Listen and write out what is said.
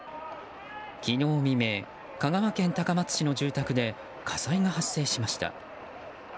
昨日未明、香川県高松市の住宅で火災が発生しました。